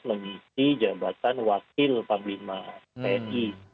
mengisi jabatan wakil panglima tni